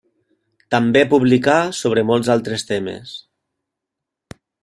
També publicà sobre molts altres temes.